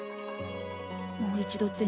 もう一度銭